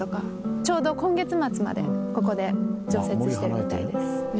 ちょうど今月末までここで常設してるみたいです。